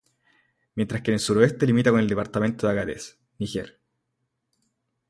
Mientras que en el suroeste limita con el departamento de Agadez, Níger.